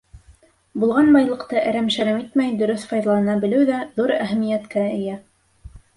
Булған байлыҡты әрәм-шәрәм итмәй дөрөҫ файҙалана белеү ҙә ҙур әһәмиәткә эйә.